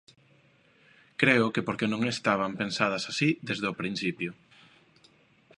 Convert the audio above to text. Creo que porque non estaban pensadas así desde o principio.